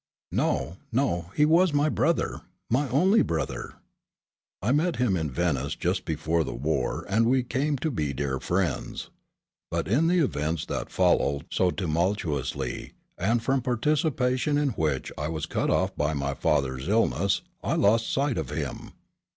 "No, no, he was my brother, my only brother." "I met him in Venice just before the war and we came to be dear friends. But in the events that followed so tumultuously, and from participation in which, I was cut off by my father's illness, I lost sight of him."